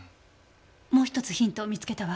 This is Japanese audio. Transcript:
もう１つヒントを見つけたわ。